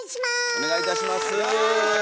お願いいたします。